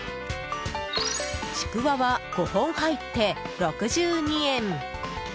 ちくわは５本入って６２円。